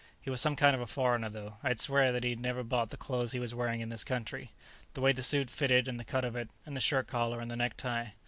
He was some kind of a foreigner, though; I'd swear that he never bought the clothes he was wearing in this country. The way the suit fitted, and the cut of it, and the shirt collar, and the necktie.